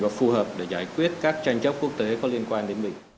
và phù hợp để giải quyết các tranh chấp quốc tế có liên quan đến mình